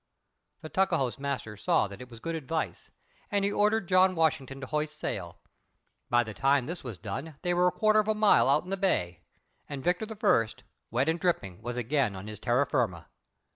The Tuckahoe's master saw that it was good advice, and he ordered John Washington to hoist sail. By the time this was done they were a quarter of a mile out in the bay, and Victor I., wet and dripping, was again on his terra firma.